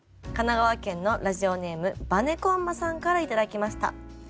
神奈川県のラジオネームばねこんまさんから頂きました。